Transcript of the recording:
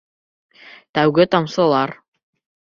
Тәүге тамсылар.